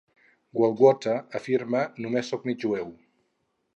Goldwater afirma: "Només soc mig jueu".